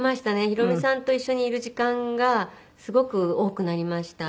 ヒロミさんと一緒にいる時間がすごく多くなりました。